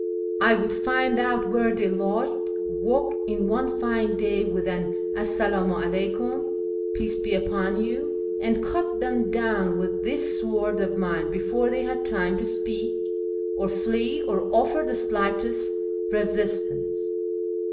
I would find out where they lodged, walk in one fine day with an ' esse! dm u 'aleyJcam' ('peace be upon you'), and cut them down with this sword of mine before they had time to speak, or fiee, or offer the sliglitest resistance."